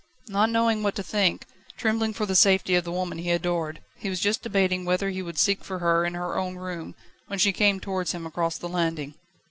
Not knowing what to think, trembling for the safety of the woman he adored, he was just debating whether he would seek for her in her own room, when she came towards him across the landing.